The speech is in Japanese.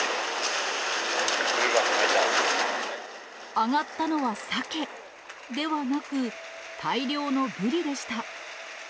揚がったのはサケ、ではなく、大量のブリでした。